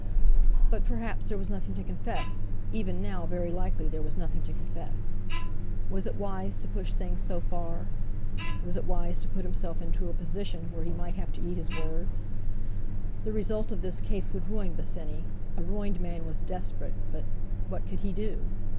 But perhaps there was nothing to confess, even now very likely there was nothing to confess. Was it wise to push things so far? Was it wise to put himself into a position where he might have to eat his words? The result of this case would ruin Bosinney; a ruined man was desperate, but—what could he do?